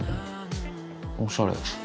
おしゃれ。